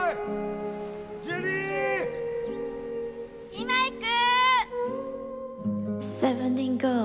今行く！